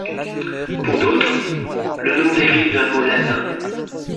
Pour d’autres, le nom dérive d’un mot latin.